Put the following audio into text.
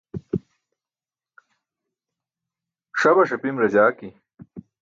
Ṣabaṣ apim rajaajki.